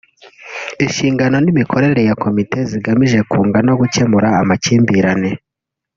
inshingano n’imikorere ya komite zigamije kunga no gukemura amakimbirane